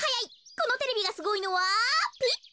このテレビがすごいのはピッと。